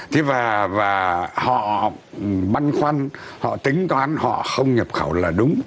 thế và họ băn khoăn họ tính toán họ không nhập khẩu là đúng